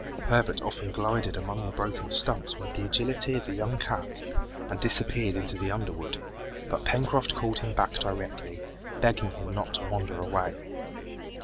Herbert often glided among the broken stumps with the agility of a young cat, and disappeared in the underwood. But Pencroft called him back directly, begging him not to wander away.